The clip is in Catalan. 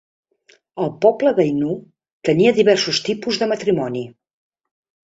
El poble d'Ainu tenia diversos tipus de matrimoni.